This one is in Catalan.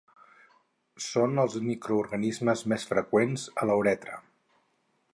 Són els microorganismes més freqüents a la uretra.